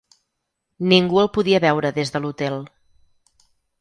Ningú el podia veure des de l'hotel.